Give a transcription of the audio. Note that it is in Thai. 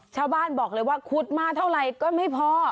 ชาวบ้านบอกเลยว่าขุดมาเท่าไหร่ก็ไม่พอ